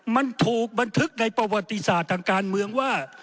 มันถูกบันทึกในประวัติศาสตร์ทางการเมืองว่า